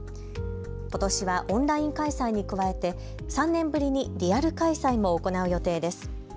ことしはオンライン開催に加えて３年ぶりにリアル開催も行う予定です。